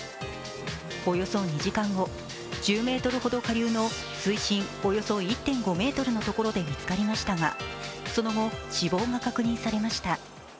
およそ２時間後、１０ｍほど下流の水深およそ１．５ｍのところで見つかりましたが、その後、死亡が確認されました。